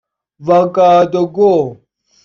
واگادوگو